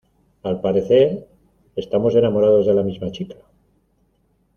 al parecer, estamos enamorados de la misma chica